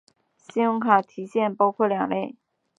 信用卡提现包括两类。